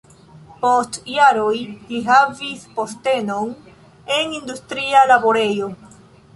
Post jaroj li havis postenon en industria laborejo.